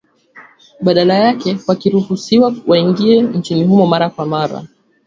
Badala yake wakiruhusiwa waingie nchini humo mara kwa mara.